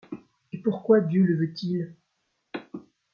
Et pourquoi Dieu le veut-il ?